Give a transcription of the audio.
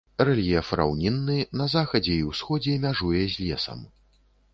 Рэльеф раўнінны, на захадзе і ўсходзе мяжуе з лесам.